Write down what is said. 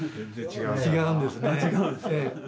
違うんですね。